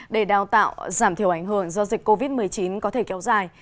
để đào tạo giảm thiểu ảnh hưởng do dịch covid một mươi chín có thể kéo dài